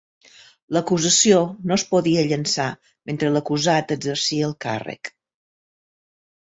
L'acusació no es podia llençar mentre l'acusat exercia el càrrec.